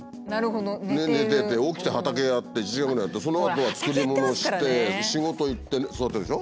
で寝てて起きて畑やって１時間ぐらいやってそのあとは作りものして仕事行って座ってるでしょ？